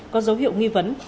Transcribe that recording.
có dấu hiệu nghi vấn